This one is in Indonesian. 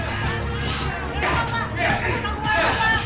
bapak bapak mau keluar